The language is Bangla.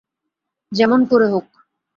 যেমন করে হোক।